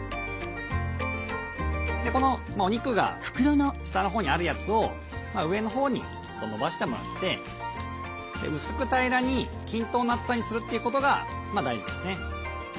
このお肉が下のほうにあるやつを上のほうに延ばしてもらって薄く平らに均等の厚さにするということが大事ですね。